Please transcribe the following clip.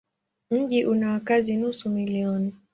Mji una wakazi nusu milioni.